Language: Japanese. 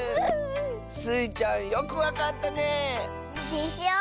スイちゃんよくわかったね。でしょ？